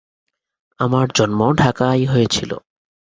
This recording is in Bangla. আমার জন্ম ঢাকায় হয়েছিল।